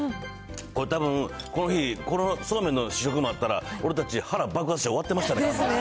これたぶん、この日、そうめんの試食もあったら、俺たち、腹爆発して終わってましたねですね。